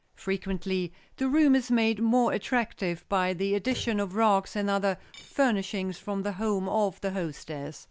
Frequently the room is made more attractive by the addition of rugs and other furnishings from the home of the hostess.